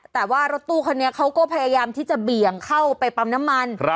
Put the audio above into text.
แต่ว่ารถตู้คันนี้เขาก็พยายามที่จะเบี่ยงเข้าไปปั๊มน้ำมัน